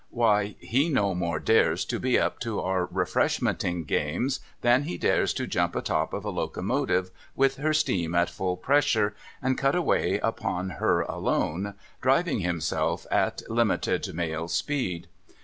Why, he no more dares to be up to our Refreshmenting games than he dares to jump atop of a locomotive with her steam at full pressure, and cut away upon her alone, driving himself, at limited mail speed.